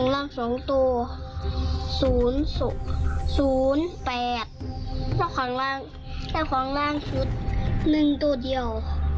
แล้วของล่างชุด๑ตัวเดียว